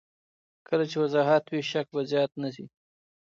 کله چې وضاحت وي، شک به زیات نه شي.